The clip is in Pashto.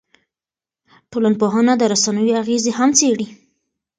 ټولنپوهنه د رسنیو اغېزې هم څېړي.